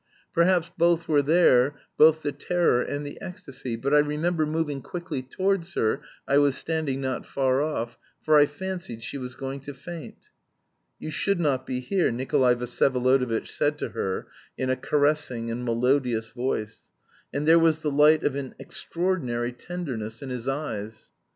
Perhaps both were there, both the terror and the ecstasy. But I remember moving quickly towards her (I was standing not far off), for I fancied she was going to faint. "You should not be here," Nikolay Vsyevolodovitch said to her in a caressing and melodious voice; and there was the light of an extraordinary tenderness in his eyes.